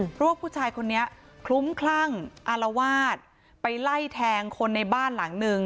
เพราะว่าผู้ชายคนนี้คลุ้มคลั่งอารวาสไปไล่แทงคนในบ้านหลังนึง